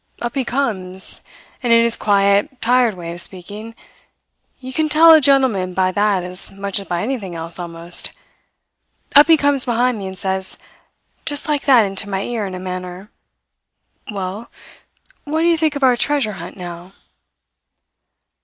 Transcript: Up he comes, and in his quiet, tired way of speaking you can tell a gentleman by that as much as by anything else almost up he comes behind me and says, just like that into my ear, in a manner: 'Well, what do you think of our treasure hunt now?'